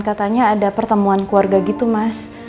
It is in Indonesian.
katanya ada pertemuan keluarga gitu mas